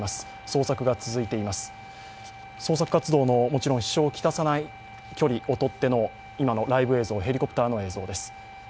捜索活動の支障をきたさない距離をとっての今のライブ映像、ヘリコプターの映像です。